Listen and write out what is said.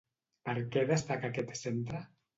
Per què destaca aquest centre?